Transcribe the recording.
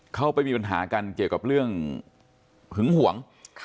เขาไปมีปัญหากันเกี่ยวกับเรื่องหึงหวง